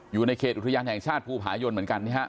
อยู่ในเขตอุทยานแห่งชาติภูผายนเหมือนกัน